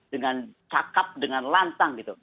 dengan cakap dengan lantang